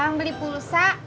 bang beli pulsa